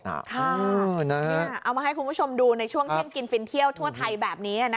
เอามาให้คุณผู้ชมดูในช่วงเที่ยงกินฟินเที่ยวทั่วไทยแบบนี้